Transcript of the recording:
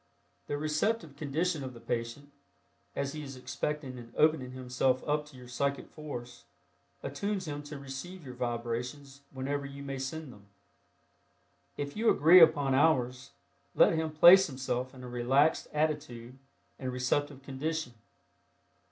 The receptive condition of the patient, as he is expecting and opening himself up to your psychic force, attunes him to receive your vibrations whenever you may send them. If you agree upon hours, let him place himself in a relaxed attitude and receptive condition.